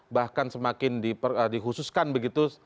bahkan semakin dihususkan begitu